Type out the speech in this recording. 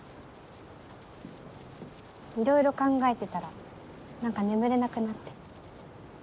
いろいろ考えてたら何か眠れなくなって。